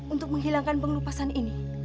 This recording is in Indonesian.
untuk menghilangkan pengelupasan ini